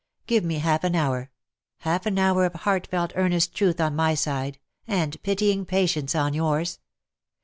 Give me half an hour — half an hour of heartfelt earnest truth on my side, and pitying patience on yours.